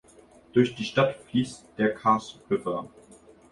Durch die Stadt fließt der Cass River.